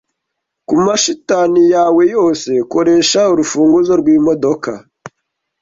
Kumashitani yawe yose, koresha urufunguzo rwimodoka